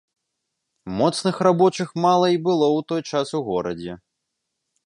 Моцных рабочых мала і было ў той час у горадзе.